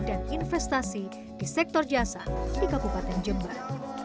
dan investasi di sektor jasa di kabupaten jember